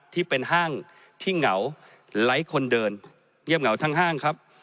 ที่เป็นห้างที่เหงาไร้คนเดินเงียบเหงาทั้งห้างครับ